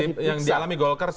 apa yang dialami govar